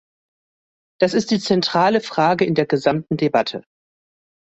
Das ist die zentrale Frage in der gesamten Debatte.